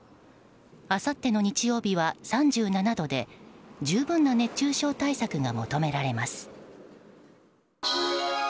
あさっての日曜日は３７度で十分な熱中症対策が求められます。